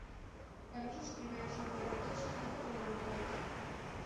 Ganó sus primeros nueve retos, cinco por el nocaut.